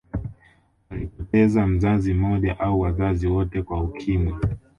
Walipoteza mzazi mmoja au wazazi wote kwa Ukimwi